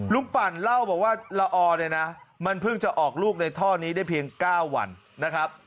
ปั่นเล่าบอกว่าละออเนี่ยนะมันเพิ่งจะออกลูกในท่อนี้ได้เพียง๙วันนะครับ